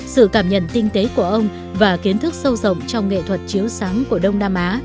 sự cảm nhận tinh tế của ông và kiến thức sâu rộng trong nghệ thuật chiếu sáng của đông nam á